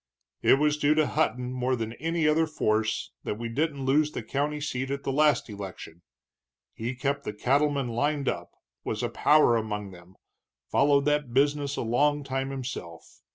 "It was due to Hutton, more than any other force, that we didn't lose the county seat at the last election he kept the cattlemen lined up, was a power among them, followed that business a long time himself.